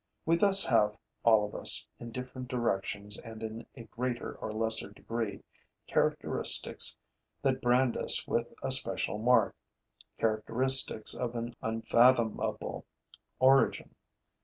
We thus have, all of us, in different directions and in a greater or lesser degree, characteristics that brand us with a special mark, characteristics of an unfathomable origin.